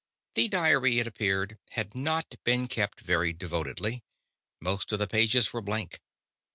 The diary, it appeared, had not been kept very devotedly. Most of the pages were blank.